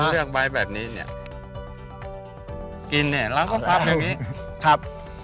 ต้องเลือกใบแบบนี้เนี่ยกินเนี่ยแล้วก็พับอย่างเงี้ยครับ